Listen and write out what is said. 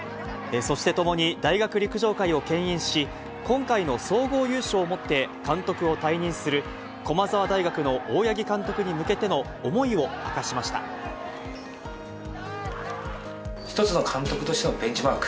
そして共に大学陸上界をけん引し、今回の総合優勝をもって、監督を退任する駒澤大学の大八木監督に一つの監督としてのベンチマーク。